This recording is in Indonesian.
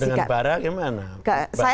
dengan barak gimana